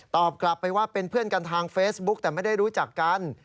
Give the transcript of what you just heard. กลับไปว่าเป็นเพื่อนกันทางเฟซบุ๊กแต่ไม่ได้รู้จักกัน